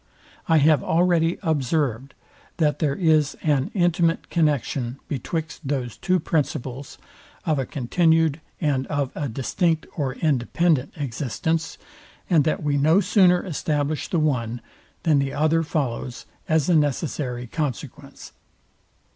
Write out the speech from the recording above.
I have already observed, that there is an intimate connexion betwixt those two principles, of a continued and of a distinct or independent existence, and that we no sooner establish the one than the other follows, as a necessary consequence.